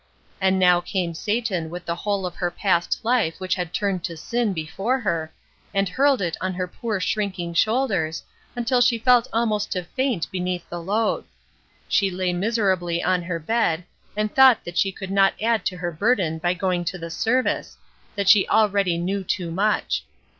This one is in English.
And now came Satan with the whole of her past life which had turned to sin before her, and hurled it on her poor shrinking shoulders, until she felt almost to faint beneath the load; she lay miserably on her bed, and thought that she would not add to her burden by going to the service, that she knew already too much.